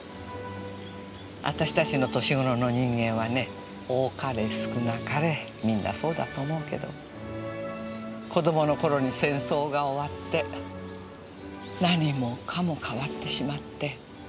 私たちの年頃の人間はね多かれ少なかれみんなそうだと思うけど子どもの頃に戦争が終わって何もかも変わってしまって。